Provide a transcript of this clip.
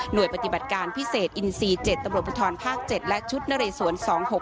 โดยปฏิบัติการพิเศษอินซี๗ตำรวจภูทรภาค๗และชุดนเรสวน๒๖๖